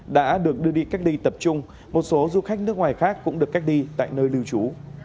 đã được đưa đi cách ly tập trung một số du khách nước ngoài khác cũng được cách ly tại nơi lưu trú